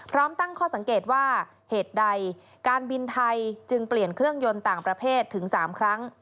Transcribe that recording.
ตั้งข้อสังเกตว่าเหตุใดการบินไทยจึงเปลี่ยนเครื่องยนต์ต่างประเทศถึง๓ครั้ง